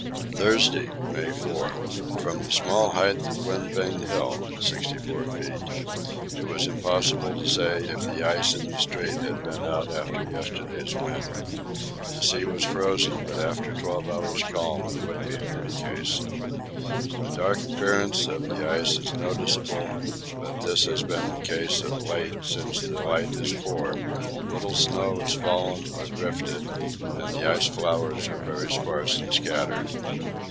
Thursday, May 4. From the small height of Wind Vane Hill (64 feet) it was impossible to say if the ice in the Strait had been out after yesterday's wind. The sea was frozen, but after twelve hours' calm it would be in any case. The dark appearance of the ice is noticeable, but this has been the case of late since the light is poor; little snow has fallen or drifted and the ice flowers are very sparse and scattered.